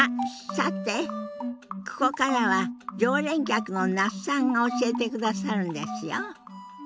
さてここからは常連客の那須さんが教えてくださるんですよ。